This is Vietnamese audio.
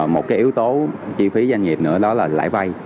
một cái yếu tố chi phí doanh nghiệp nữa đó là lãi vay